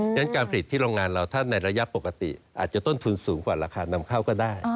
ฉะนั้นการผลิตที่โรงงานเราถ้าในระยะปกติอาจจะต้นทุนสูงกว่าราคานำเข้าก็ได้